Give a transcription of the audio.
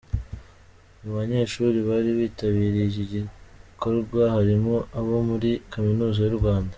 Mu banyeshuri bari bitabiriye iki gikorwa harimo abo muri Kaminuza y’u Rwanda.